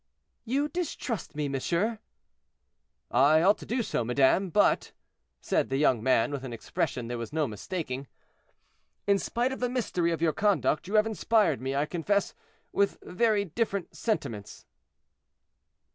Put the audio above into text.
"You distrust me, monsieur?" "I ought to do so, madame; but," said the young man, with an expression there was no mistaking, "in spite of the mystery of your conduct, you have inspired me, I confess, with very different sentiments."